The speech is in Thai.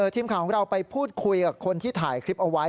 ทีมข่าวของเราไปพูดคุยกับคนที่ถ่ายคลิปเอาไว้